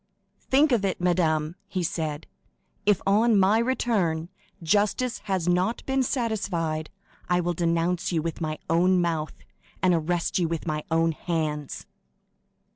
"Think of it, madame," he said; "if, on my return, justice has not been satisfied, I will denounce you with my own mouth, and arrest you with my own hands!"